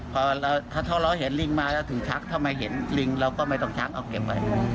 พอเราเห็นลิงมาถึงชักถ้าไม่เห็นลิงเราก็ไม่ต้องชักเอาเก็ปไป